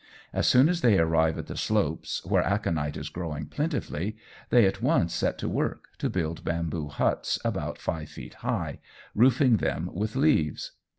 As soon as they arrive at the slopes, where aconite is growing plentifully, they at once set to work to build bamboo huts about five feet high, roofing them with leaves.